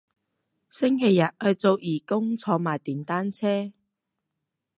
星期日去做義工坐埋電單車